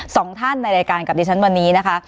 สองท่านในรายการกับดิฉันวันนี้นะคะ